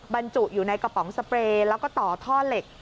บรรจุอยู่ในกระป๋องสเปรย์แล้วก็ต่อท่อเหล็ก